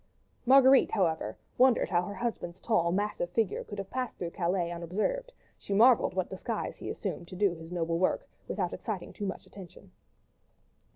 Marguerite, however, wondered how her husband's tall, massive figure could have passed through Calais unobserved: she marvelled what disguise he assumed to do his noble work, without exciting too much attention.